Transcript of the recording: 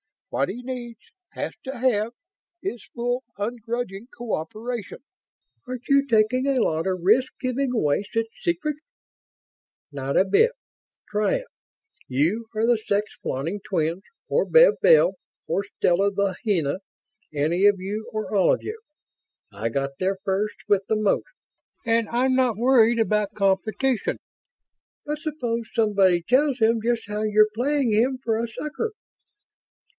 What he needs has to have is full, ungrudging cooperation." "Aren't you taking a lot of risk in giving away such secrets?" "Not a bit. Try it. You or the sex flaunting twins or Bev Bell or Stella the Henna. Any of you or all of you. I got there first with the most, and I'm not worried about competition." "But suppose somebody tells him just how you're playing him for a sucker?"